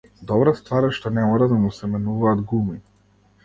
Добра ствар е што не мора да му се менуваат гуми.